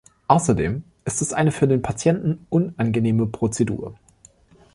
Außerdem ist es eine für den Patienten unangenehme Prozedur.